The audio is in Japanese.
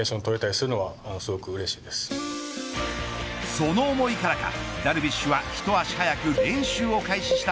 その思いからかダルビッシュは一足早く練習を開始した